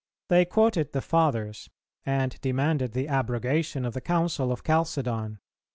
They quoted the Fathers, and demanded the abrogation of the Council of Chalcedon.